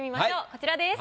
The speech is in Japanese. こちらです。